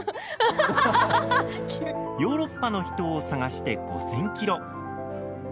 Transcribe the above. ヨーロッパの秘湯を探して５０００ｋｍ。